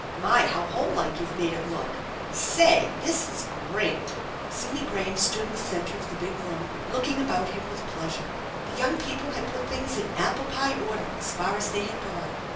My, how homelike you've made it look ! Say, this is great !" Sidney Graham stood in the centre of the big room, looking .bout him with pleasure. The young people had put things in apple pie order as far as they had gone.